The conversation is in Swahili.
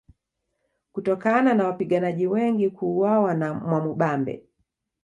Kutokana na wapiganaji wengi kuuawa na Mwamubambe